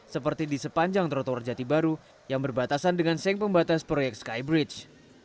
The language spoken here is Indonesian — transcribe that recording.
seperti di sepanjang trotoar jati baru yang berbatasan dengan seng pembatas proyek skybridge